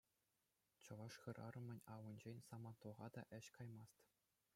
Чӑваш хӗрарӑмӗн аллинчен самантлӑха та ĕç каймасть.